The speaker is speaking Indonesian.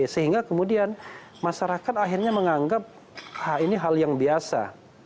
sehingga kemudian masyarakat akhirnya menganggap ini hal yang biasa